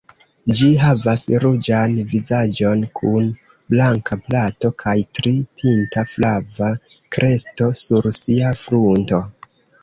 Ĝi havas ruĝan vizaĝon kun blanka plato, kaj tri-pinta flava kresto sur sia frunto.